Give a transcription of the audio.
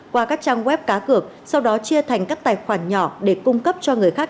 qua các trang web cá cược sau đó chia thành các tài khoản nhỏ để cung cấp cho người khác